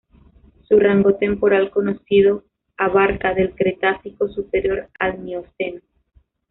Su rango temporal conocido abarca del "Cretácico superior" al "Mioceno".